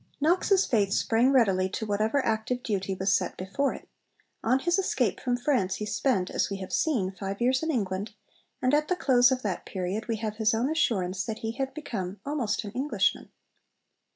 Knox's faith sprang readily to whatever active duty was set before it. On his escape from France he spent, as we have seen, five years in England, and at the close of that period we have his own assurance that he had become almost an Englishman.